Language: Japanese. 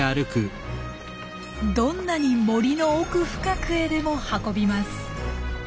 どんなに森の奥深くへでも運びます。